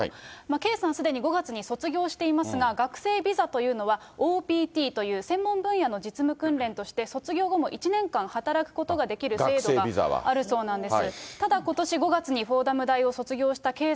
圭さん、すでに５月に卒業していますが、学生ビザというのは、ＯＰＴという専門分野の実務訓練として、卒業後も１年間働くことができる制度があるそうなんです。